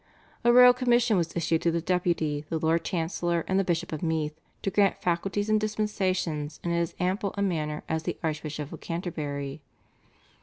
A royal commission was issued to the Deputy, the Lord Chancellor, and the Bishop of Meath to grant faculties and dispensations in as ample a manner as the Archbishop of Canterbury.